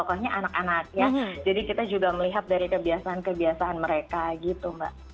pokoknya anak anak ya jadi kita juga melihat dari kebiasaan kebiasaan mereka gitu mbak